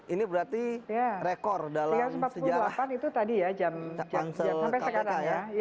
ini berarti rekor dalam sejarah pansel kkk ya